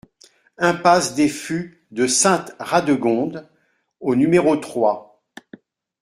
Impasse des Fus de Sainte-Radegonde au numéro trois